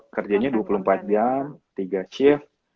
kerjanya dua puluh empat jam tiga shift